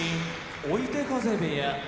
追手風部屋